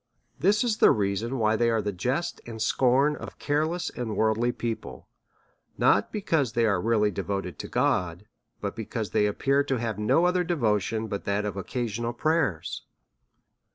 This is the reason why they are the jest and scorn of careless and worldly people ; not because they are really de voted to God, but because they appear to have no other devotion but that of occasional prayers.